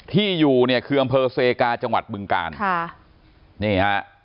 ที่อยู่เนี่ยคืออำเภอเซกาจังหวัดบึงกาลค่ะนี่ฮะ